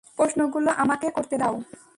প্রশ্নগুলো আমাকে করতে দাও।